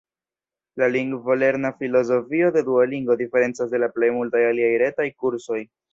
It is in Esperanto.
La lingvolerna filozofio de Duolingo diferencas de la plej multaj aliaj retaj kursoj.